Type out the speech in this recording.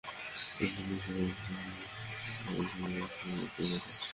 প্রতিটি খাবারের স্টল সুস্থ প্রতিযোগিতার মাধ্যমে মানুষের রসনা তৃপ্তি মেটাতে ব্যস্ত।